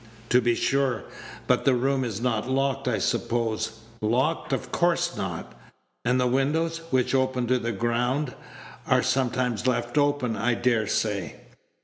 "To be sure! But the room is not locked, I suppose?" "Locked! of course not." "And the windows, which open to the ground, are sometimes left open, I dare say?"